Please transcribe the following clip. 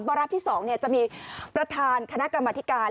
วาระที่สองจะมีประธานคณะกรรมการ